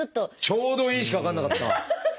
「ちょうどいい」しか分かんなかった！